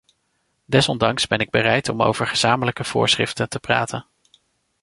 Desondanks ben ik bereid om over gezamenlijke voorschriften te praten.